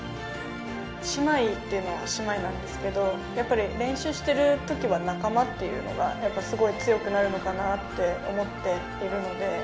姉妹っていうのは姉妹なんですけど、やっぱり練習してるときは仲間っていうのが、やっぱすごい強くなるのかなって思っているので。